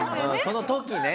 その時ね。